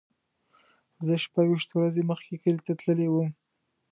زه شپږ ویشت ورځې مخکې کلی ته تللی وم.